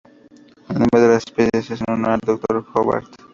El nombre de la especies es en honor a Dr. Hobart.